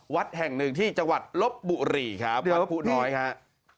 วัดแห่งหนึ่งที่จังหวัดลบบุรีครับวัดผู้น้อยครับ